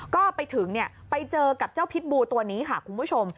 ก็ไปถึงไปเจอกับเจ้าพิษบูตัวนี้ค่ะคุณผู้ชม